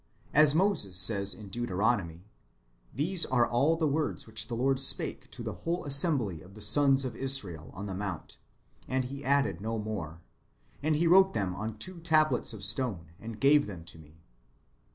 As Moses says in Deuteronomy, " These are all the words which the Lord spake to the whole assembly of the sons of Israel on the mount, and He added no more ; and He wrote them on two tables of stone, and gave them to me."